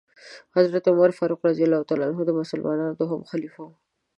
حضرت عمرفاروق رضی الله تعالی عنه د مسلمانانو دوهم خليفه وو .